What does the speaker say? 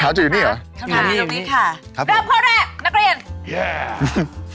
หายใจแล้วก็ไม่ต้องเงินนะคะคำถามจะอยู่ที่นี่เหรออยู่ที่นี่ค่ะเริ่มข้อแรกนักเรียน